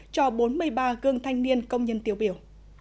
cho bốn mươi ba gương thanh niên công nhân tiêu biểu